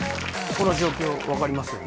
この状況分かりますよね？